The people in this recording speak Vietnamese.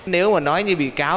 nếu mà nói như bị cáo